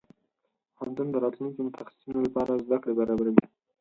پوهنتون د راتلونکي متخصصينو لپاره زده کړې برابروي.